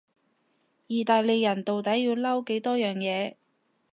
意大利人到底要嬲幾多樣嘢？